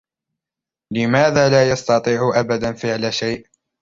لماذا لا يستطيع أبدا فعل شيء؟